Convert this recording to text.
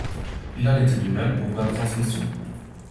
Il en était de même pour la transmission.